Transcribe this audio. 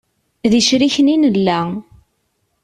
D icriken i nella.